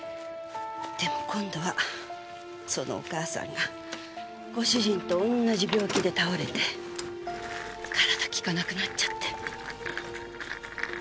でも今度はそのお母さんがご主人と同じ病気で倒れて体きかなくなっちゃって。